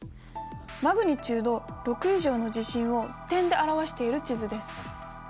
マグニチュード６以上の地震を点で表している地図です。